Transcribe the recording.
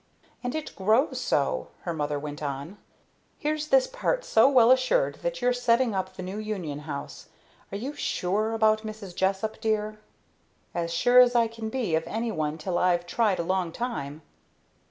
"And it grows so," her mother went on. "Here's this part so well assured that you're setting up the new Union House! Are you sure about Mrs. Jessup, dear?" "As sure as I can be of any one till I've tried a long time.